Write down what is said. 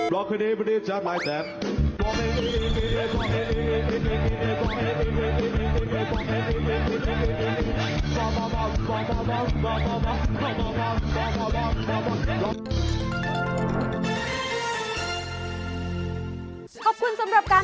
โปรดติดตามตอนต่อไป